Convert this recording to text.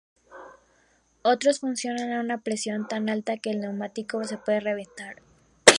Otros funcionan a una presión tan alta que el neumático se puede reventar.